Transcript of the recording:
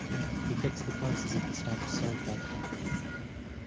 He fixed the prices of the stamps sold by the company.